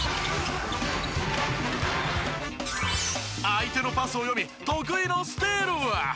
相手のパスを読み得意のスティール！